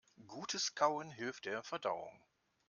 Gutes Kauen hilft der Verdauung.